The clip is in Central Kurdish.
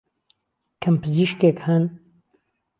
کهم پزیشکێک ههن